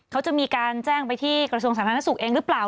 เขาจะมีการแจ้งไปที่กระทรวงสาธารณสุขเองหรือเปล่า